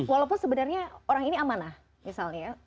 walaupun sebenarnya orang ini amanah misalnya